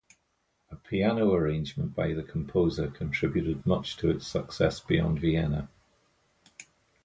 A piano arrangement by the composer contributed much to its success beyond Vienna.